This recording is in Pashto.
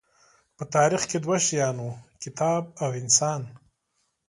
په تاریخ کې دوه شیان وو، کتاب او انسانان.